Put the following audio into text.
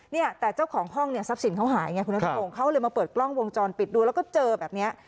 เนี่ยแต่เจ้าของห้องเนี่ยทรัพย์สินเขาหายไงคุณนัทพงศ์เขาเลยมาเปิดกล้องวงจรปิดดูแล้วก็เจอแบบเนี้ย